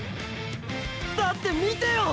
だって見てよ！！